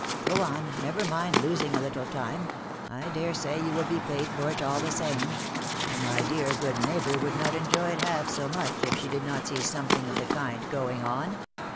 Go on, never mind losing a little time, I dare say you will be paid for it all the same, and my dear good neighbour would not enjoy it half so much if she did not see something of the kind going on."